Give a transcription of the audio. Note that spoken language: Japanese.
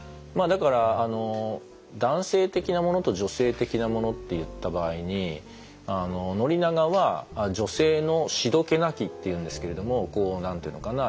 だから男性的なものと女性的なものっていった場合に宣長は女性の「しどけなき」っていうんですけれども何と言うのかな